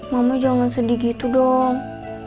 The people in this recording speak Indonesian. mama jangan sedih gitu dong